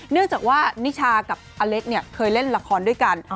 เนื่องจากว่านิชากับอเล็กเนี่ยเคยเล่นละครด้วยกัน